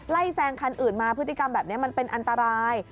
แซงคันอื่นมาพฤติกรรมแบบนี้มันเป็นอันตราย